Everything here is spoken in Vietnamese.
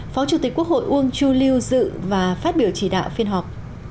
phó chủ tịch quốc hội uông chu lưu dự và phát biểu chỉ đạo phiên họp